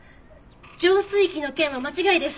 浄水器の件は間違いです！